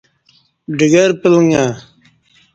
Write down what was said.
ڈگر پلݣہ